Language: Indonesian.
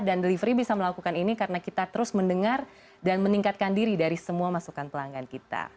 dan delivery bisa melakukan ini karena kita terus mendengar dan meningkatkan diri dari semua masukan pelanggan kita